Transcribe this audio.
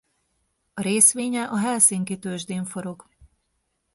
A részvénye a Helsinki Tőzsdén forog.